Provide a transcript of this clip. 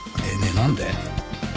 なんで？